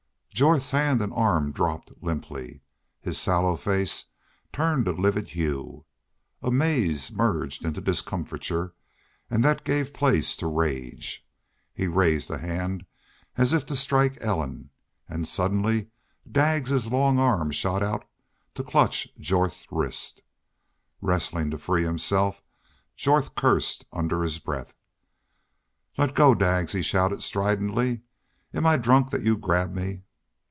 Jorth's hand and arm dropped limply. His sallow face turned a livid hue. Amaze merged into discomfiture and that gave place to rage. He raised a hand as if to strike Ellen. And suddenly Daggs's long arm shot out to clutch Jorth's wrist. Wrestling to free himself, Jorth cursed under his breath. "Let go, Daggs," he shouted, stridently. "Am I drunk that you grab me?"